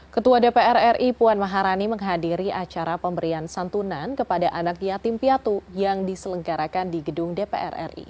ketua dpr ri puan maharani menghadiri acara pemberian santunan kepada anak yatim piatu yang diselenggarakan di gedung dpr ri